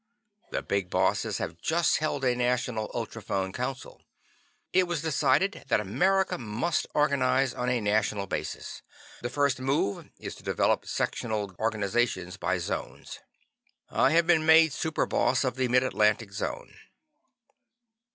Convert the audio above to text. The Big Bosses have just held a national ultrophone council. It was decided that America must organize on a national basis. The first move is to develop sectional organization by Zones. I have been made Superboss of the Mid Atlantic Zone.